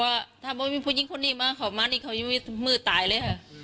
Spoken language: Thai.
ว่าถ้าไม่มีผู้หญิงคนนี้มาเขามานี่เขายังไม่มือตายเลยค่ะ